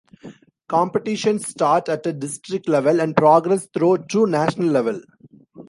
Competitions start at a District level and progress through to National level.